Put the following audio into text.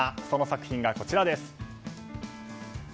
その作品がこちらです。